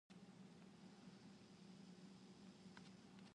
Cacat-cacat cempedak, cacat-cacat nak hendak